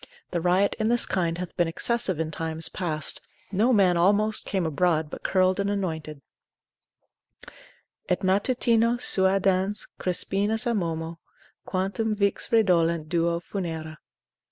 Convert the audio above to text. The riot in this kind hath been excessive in times past; no man almost came abroad, but curled and anointed, Et matutino suadans Crispinus amomo. Quantum vix redolent duo funera.